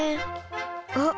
あっ。